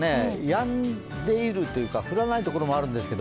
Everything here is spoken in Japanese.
やんでいるというか降らないところもあるんですが